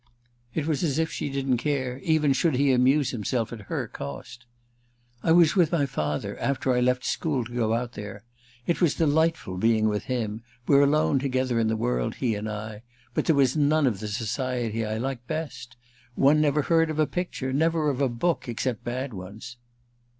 It was as if she didn't care even should he amuse himself at her cost. "I was with my father, after I left school to go out there. It was delightful being with him—we're alone together in the world, he and I—but there was none of the society I like best. One never heard of a picture—never of a book, except bad ones."